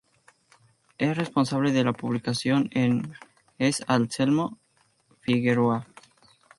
En responsable de la publicación es Anselmo L. Figueroa.